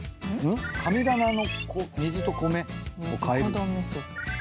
神棚の水と米を替える。